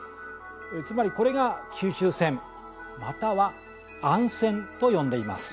つまりこれが吸収線または暗線と呼んでいます。